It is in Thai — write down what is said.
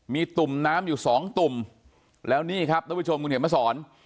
มีตุ่มน้ำอยู่สองตุ่มแล้วนี่ครับท่านผู้ชมคุณเห็นมาสอน